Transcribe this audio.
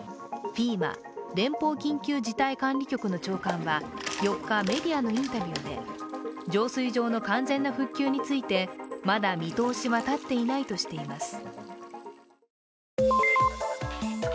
ＦＥＭＡ＝連邦緊急事態管理局の長官は４日、メディアのインタビューで浄水場の完全な復旧についてまだ見通しは立っていないとしています。